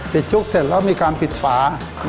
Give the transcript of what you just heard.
ชุกเสร็จแล้วมีการปิดฝา